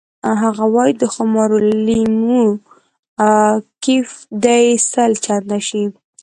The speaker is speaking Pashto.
هغه وایی د خمارو لیمو کیف دې سل چنده شي